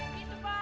jangan bikin lupa